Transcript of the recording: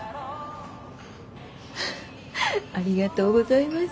ありがとうございます。